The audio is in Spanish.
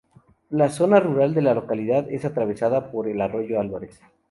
La zona rural de la localidad es atravesada por el arroyo Alvarez.